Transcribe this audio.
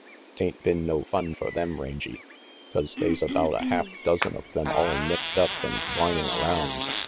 'Tain't been no fun for them, Rangy, 'cause they's about a half 386 RANGY PETE dozen of them all nicked up and whining around.